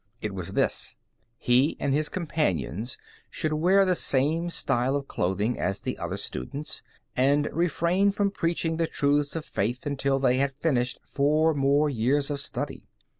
It was this: He and his companions should wear the same style of clothing as the other students, and refrain from preaching the truths of faith until they had finished four more years of study.